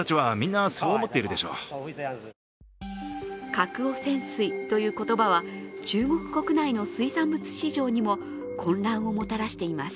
核汚染水という言葉は中国国内の水産物市場にも混乱をもたらしています。